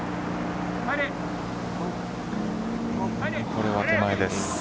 これは手前です。